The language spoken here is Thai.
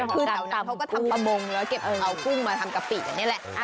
เขาก็ทำประมงแล้วเก็บเอากุ้งมาทำกะปิอย่างนี้แหละ